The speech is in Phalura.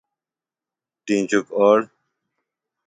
ٹِینچُک اوڑہ۔